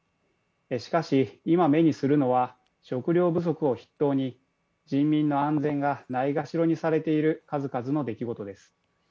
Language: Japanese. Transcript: しかし今、目にするのは食料不足を筆頭に人民の安全がないがしろにされている数々の出来事です。